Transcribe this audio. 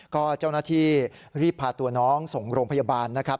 ก็เจ้าหน้าที่รีบพาตัวน้องส่งโรงพยาบาลนะครับ